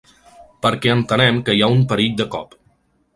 Perquè entenem que hi ha un perill de cop.